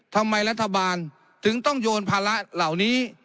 ทำไมรัฐบาลถึงต้องโยนภาระเหล่านี้